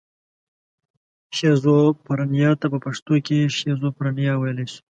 شیزوفرنیا ته په پښتو کې شیزوفرنیا ویلی شو.